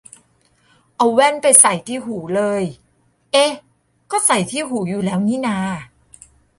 เอาแว่นไปใส่ที่หูเลย เอ๊ะ ก็ใส่ที่หูอยู่แล้วนี่นา